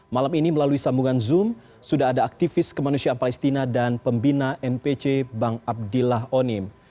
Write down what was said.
malam ini melalui sambungan zoom sudah ada aktivis kemanusiaan palestina dan pembina npc bang abdillah onim